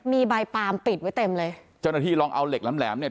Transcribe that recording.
มีใบปาล์มปิดไว้เต็มเลยเจ้าหน้าที่ลองเอาเหล็กแหลมแหลมเนี่ย